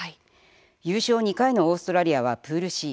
優勝２回のオーストラリアはプールＣ。